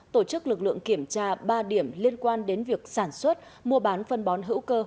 tổ chức lực lượng kiểm tra ba điểm liên quan đến việc sản xuất mua bán phân bón hữu cơ